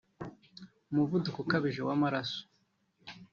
umuvuduko ukabije w’amaraso